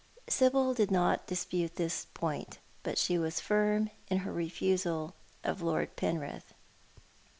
Sibyl did not dispute this point, but she was firm in her refusal of Lord Penrith.